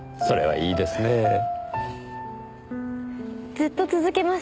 それはいいですねぇ。